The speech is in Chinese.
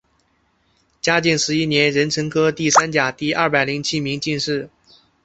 嘉靖十一年壬辰科第三甲第二百零七名进士。